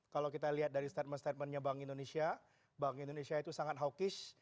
kalau kita lihat dari statement statementnya bank indonesia bank indonesia itu sangat hawkish